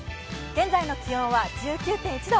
現在の気温は１９．１度。